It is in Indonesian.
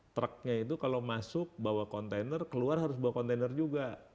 truknya itu kalau masuk bawa kontainer keluar harus bawa kontainer juga